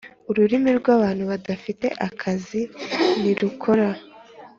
ururimi rwabantu badafite akazi ntirukora.